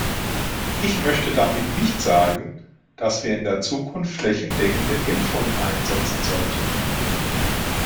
Ich möchte damit nicht sagen, dass wir in der Zukunft flächendeckende Impfungen einsetzen sollten.